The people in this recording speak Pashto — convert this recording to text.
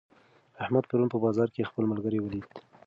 احمد پرون په بازار کې خپل ملګری ولید.